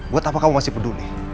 buat apa kamu masih peduli